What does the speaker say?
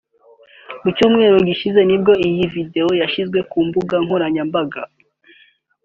Mu cyumweru gishize nibwo iyi vedewo yashyizwe ku mbuga nkoranyambaga